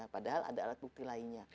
padahal ada alat bukti lainnya